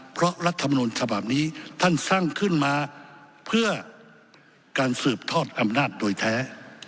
เพราะรัฐมนุนฉบับนี้ท่านสร้างขึ้นมาเพื่อการสืบทอดอำนาจโดยแท้